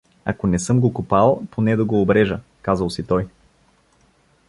— Ако не съм го копал, поне да го обрежа — казал си той.